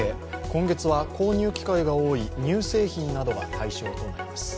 今月は購入機会が多い乳製品などが対象となります。